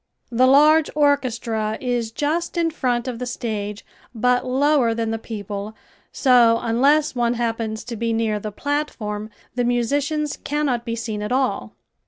The large orchestra is just in front of the stage but lower than the people, so unless one happens to be near the platform the musicians cannot be seen at all.